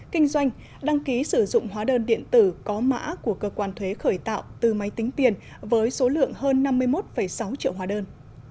kinh doanh đăng ký sử dụng hóa đơn điện tử có mã của cơ quan thuế khởi tạo từ máy tính tiền với số lượng hơn năm mươi một sáu triệu hóa đơn